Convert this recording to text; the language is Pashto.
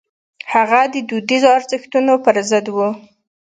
هغه د دودیزو ارزښتونو پر ضد و.